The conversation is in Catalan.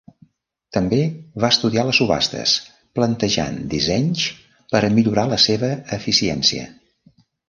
També va estudiar les subhastes, plantejant dissenys per a millorar la seva eficiència.